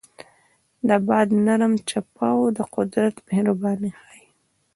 د باد نرم چپاو د قدرت مهرباني ښيي.